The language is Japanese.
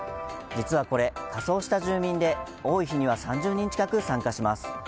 実はこれ、仮装した住民で多い日には３０人近く参加します。